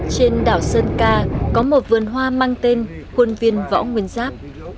trên đảo sơn ca có một vườn hoa mang tên quân viên võ nguyên giáp